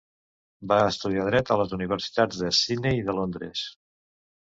Va estudiar dret a les universitats de Sydney i de Londres.